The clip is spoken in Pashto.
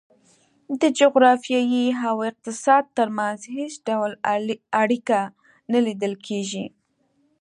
د جغرافیې او اقتصاد ترمنځ هېڅ ډول اړیکه نه لیدل کېږي.